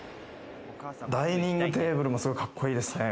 ダイニングテーブルもすごいカッコいいですね！